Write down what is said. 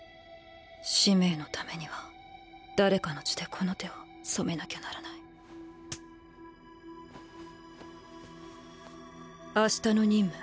使命のためには誰かの血でこの手を染めなきゃならない明日の任務